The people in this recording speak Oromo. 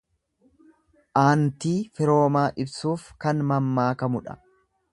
Aantii firoomaa ibsuuf kan mammaakamudha.